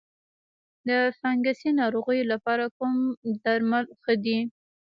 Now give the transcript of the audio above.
د فنګسي ناروغیو لپاره کوم درمل ښه دي؟